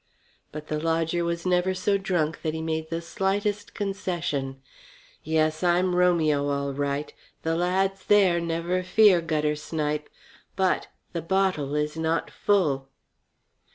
But the lodger was never so drunk that he made the slightest concession. "Yes, I'm Romeo all right the lad's there, never fear, gutter snipe. But the bottle is not full."